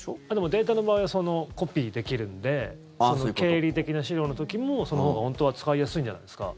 データの場合はコピーできるんで経理的な資料の時もそのほうが本当は使いやすいんじゃないですか。